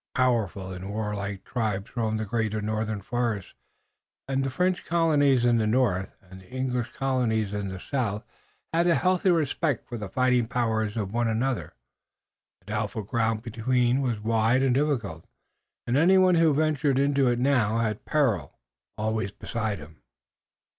Powerful and warlike tribes roamed the great northern forests, and the French colonies in the north and the English colonies in the south had a healthy respect for the fighting powers of one another. The doubtful ground between was wide and difficult, and anyone who ventured into it now had peril always beside him.